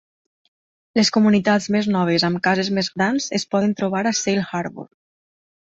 Les comunitats més noves amb cases més grans es poden trobar a Sail Harbor.